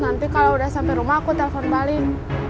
nanti kalau udah sampai rumah aku telpon balik